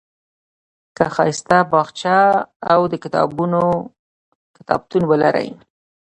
که ښایسته باغچه او د کتابونو کتابتون ولرئ.